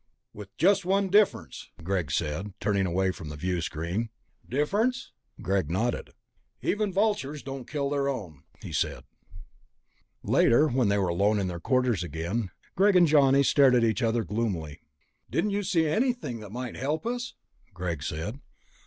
"With just one difference," Greg said, turning away from the viewscreen. "Difference?" Greg nodded. "Even vultures don't kill their own," he said. Later, when they were alone in their quarters again, Greg and Johnny stared at each other gloomily. "Didn't you see anything that might help us?" Greg said.